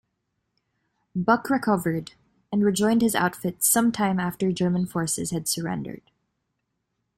Buck recovered, and rejoined his outfit sometime after German forces had surrendered.